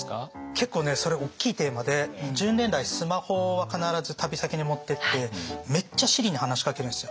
結構ねそれ大きいテーマで１０年来スマホは必ず旅先に持ってってめっちゃＳｉｒｉに話しかけるんですよ。